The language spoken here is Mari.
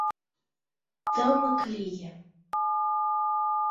Тымык лие.